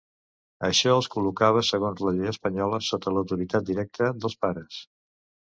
Això els col·locava, segons la llei espanyola, sota l'autoritat directa dels Pares.